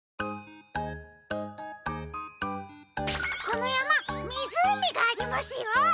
このやまみずうみがありますよ！